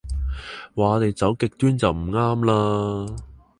話我哋走極端就唔啱啦